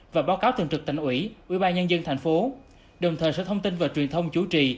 và báo cáo từng trực tỉnh ủy ủy ban nhân dân tp hcm đồng thời sửa thông tin và truyền thông chủ trì